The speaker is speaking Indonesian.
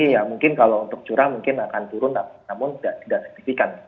ya mungkin kalau untuk curah mungkin akan turun namun tidak signifikan